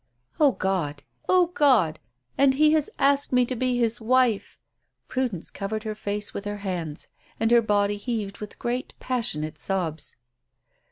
"O God! O God! And he has asked me to be his wife." Prudence covered her face with her hands, and her body heaved with great, passionate sobs.